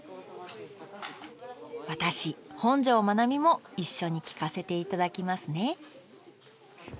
私本上まなみも一緒に聴かせていただきますね